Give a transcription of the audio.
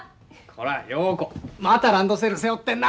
こら陽子またランドセル背負ってんな。